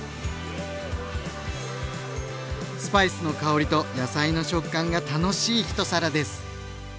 スパイスの香りと野菜の食感が楽しい一皿です！